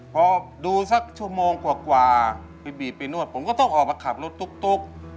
พอดูสักชั่วโมงกว่าไปบีบไปนวดผมก็ต้องออกมาขับรถตุ๊ก